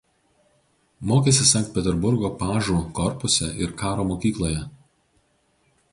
Mokėsi Sankt Peterburgo pažų korpuse ir karo mokykloje.